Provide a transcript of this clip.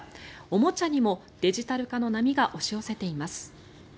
おもちゃにもデジタル化の波が押し寄せています。